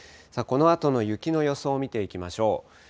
このあとの雪の予想を見ていきましょう。